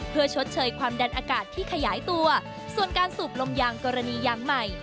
เพื่อชดเชยความดันอากาศที่ขยายตัวส่วนการสูบลมยางกรณียางใหม่